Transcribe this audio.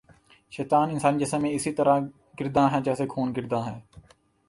شیطان انسانی جسم میں اسی طرح گرداں ہے جیسے خون گرداں ہے